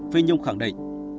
phi nhung khẳng định